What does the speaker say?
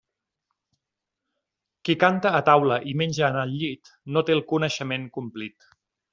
Qui canta a taula i menja en el llit no té el coneixement complit.